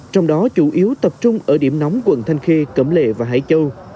trong đó chủ yếu tập trung ở điểm nóng quận thanh khê cẩm lệ và hải châu